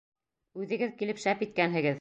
Үҙегеҙ килеп шәп иткәнһегеҙ.